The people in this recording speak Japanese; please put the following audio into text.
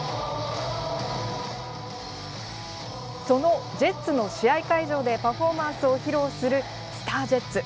そのジェッツの試合会場でパフォーマンスを披露するＳＴＡＲＪＥＴＳ。